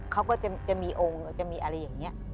เขาก็จะมีองค์จะมีอะไรอย่างนี้